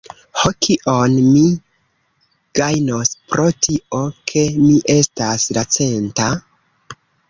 Ho, kion mi gajnos pro tio, ke mi estas la centa?